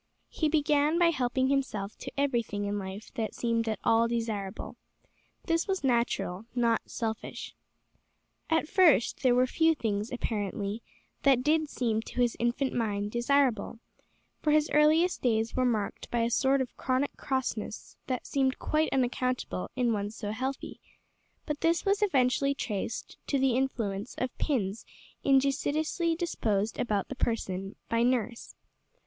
He began by helping himself to everything in life that seemed at all desirable. This was natural, not selfish. At first there were few things, apparently, that did seem to his infant mind desirable, for his earliest days were marked by a sort of chronic crossness that seemed quite unaccountable in one so healthy; but this was eventually traced to the influence of pins injudiciously disposed about the person by nurse.